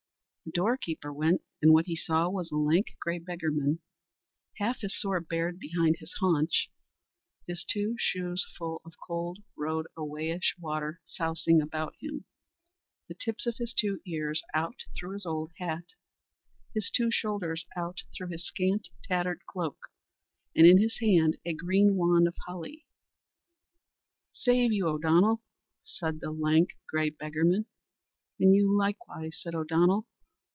The doorkeeper went, and what he saw was a lank, grey beggarman; half his sword bared behind his haunch, his two shoes full of cold road a wayish water sousing about him, the tips of his two ears out through his old hat, his two shoulders out through his scant, tattered cloak, and in his hand a green wand of holly. "Save you, O'Donnell," said the lank, grey beggarman. "And you likewise," said O'Donnell.